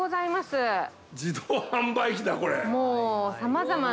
自動販売機だこれ。